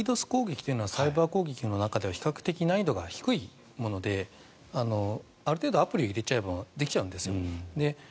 攻撃というのはサイバー攻撃の中では比較的、難易度が低いものである程度、アプリを入れちゃえばできちゃうんですよ。